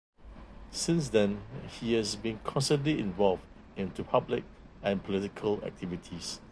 Since then, he has been constantly involved into public and political activities.